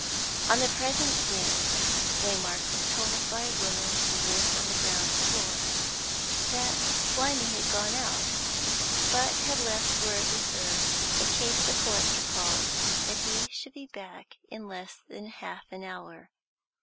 On the present day, Waymark was told by a woman who lived on the ground floor that Slimy had gone out, but had left word with her, in case the collector called, that he should be back in less than half an hour.